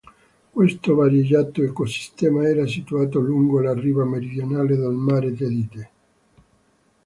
Questo variegato ecosistema era situato lungo la riva meridionale del mare Tetide.